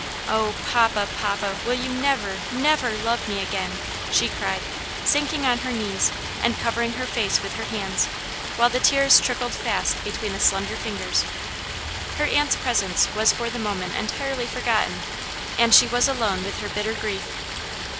Oh! papa, papa, will you never, never love me again?" she cried, sinking on her knees, and covering her face with her hands, while the tears trickled fast between the slender fingers. Her aunt's presence was for the moment entirely forgotten, and she was alone with her bitter grief.